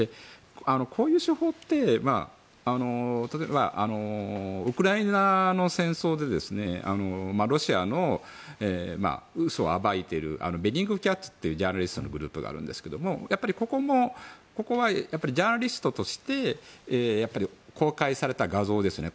こういう手法って例えば、ウクライナの戦争でロシアの嘘を暴いているベリングキャットというジャーナリストのグループがあるんですけどここはジャーナリストとして公開された画像ですよね